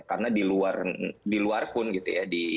karena di luar pun gitu ya